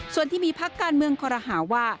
ส่วนที่มีพักการเมืองคอรหาว่า